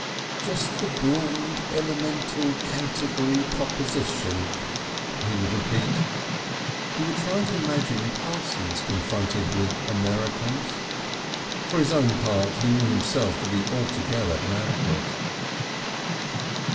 "Just the Broad Elemental Canterbury praposition," he would repeat.... He would try to imagine Parsons confronted with Americans. For his own part he knew himself to be altogether inadequate....